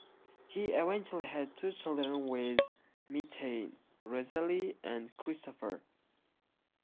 He eventually had two children with "Mitain": Rosalie and Christopher.